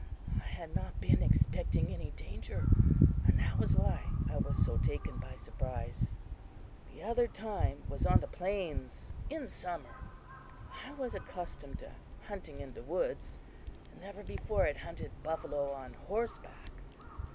I had not been expecting any danger, and that was why I was so taken by surprise. "The other time was on the plains, in summer. I was accustomed to hunting in the woods, and never before had hunted buffalo on horseback.